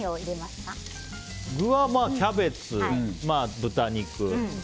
具はキャベツ、豚肉